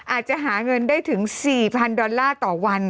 อาจจะหาเงินได้ถึง๔๐๐ดอลลาร์ต่อวัน